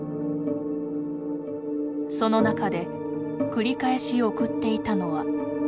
その中で繰り返し送っていたのは。